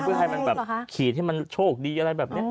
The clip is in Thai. เพื่อให้มันแบบขีดให้มันโชคดีอะไรแบบนี้